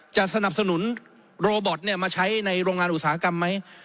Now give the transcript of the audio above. จะสนับสนุนโรบอตมาใช้ในโรงงานอุตสาหกรรมไหม